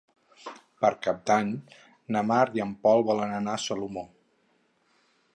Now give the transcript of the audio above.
Per Cap d'Any na Mar i en Pol volen anar a Salomó.